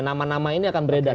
nama nama ini akan beredar